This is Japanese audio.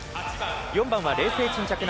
４番はｍ冷静沈着な